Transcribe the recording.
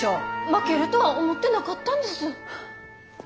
負けるとは思ってなかったんです。